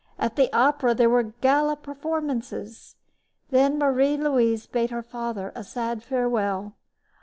At the opera there were gala performances. Then Marie Louise bade her father a sad farewell.